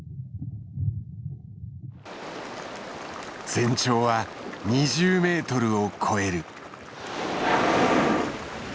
全長は２０メートルを超える。